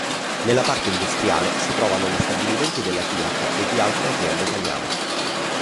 Nella parte industriale, si trovano gli stabilimenti della Fiat e di altre aziende italiane.